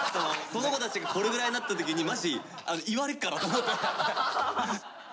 その子たちがこれぐらいになった時にマジ言われっから！